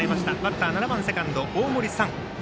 バッター、７番セカンド、大森燦。